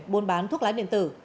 buôn bán thuốc lá điện tử